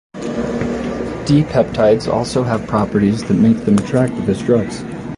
D-peptides also have properties that make them attractive as drugs.